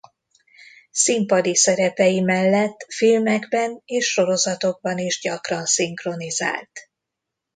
Színpadi szerepei mellett filmekben és sorozatokban is gyakran szinkronizált.